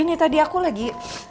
ini tadi aku lagi